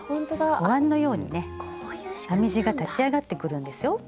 おわんのようにね編み地が立ち上がってくるんですよ。